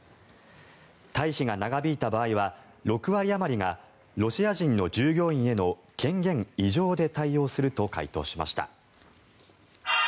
退避が長引いた場合は６割あまりがロシア人の従業員への権限移譲で対応すると回答しました。